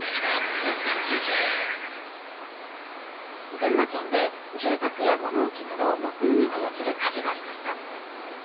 群馬県で住宅や物置など６棟が焼ける火事がありました。